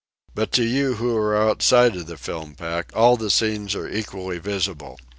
But to you who are outside of the film pack all the scenes are equally visible.